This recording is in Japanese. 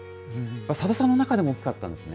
さださんの中でも大きかったんですね。